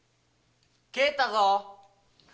・帰ったぞ！